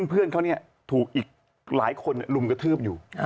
เพื่อนเขาถูกอีกหลายคนลุมกระทืบอยู่